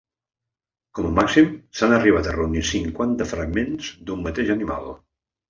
Com a màxim, s’han arribat a reunir cinquanta fragments d’un mateix animal.